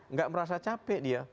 nggak merasa capek dia